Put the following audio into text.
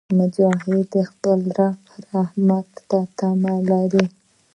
مجاهد د خپل رب رحمت ته تمه لري.